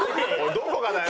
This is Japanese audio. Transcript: どこがだよ！